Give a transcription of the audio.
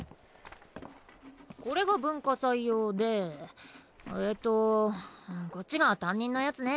これが文化祭用でえとこっちが担任のやつね